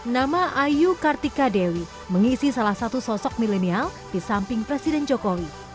nama ayu kartika dewi mengisi salah satu sosok milenial di samping presiden jokowi